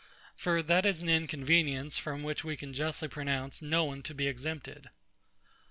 For that is an inconvenience from which we can justly pronounce no one to be exempted.